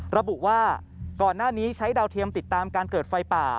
ระบุว่าก่อนหน้านี้ใช้ดาวเทียมติดตามการเกิดไฟป่า